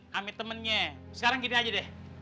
kami temennya sekarang gini aja deh